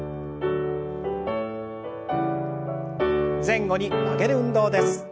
前後に曲げる運動です。